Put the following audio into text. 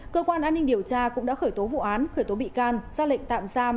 cơ quan an ninh điều tra cũng đã khởi tố vụ án khởi tố bị can ra lệnh tạm giam